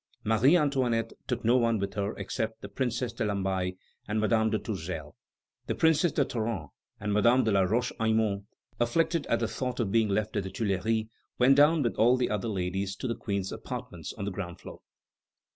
Marie Antoinette took no one with her except the Princess de Lamballe and Madame de Tourzel. The Princess de Tarente and Madame de la Roche Aymon, afflicted at the thought of being left at the Tuileries, went down with all the other ladies to the Queen's apartments on the ground floor.